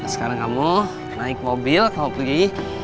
sekarang kamu naik mobil kamu pergi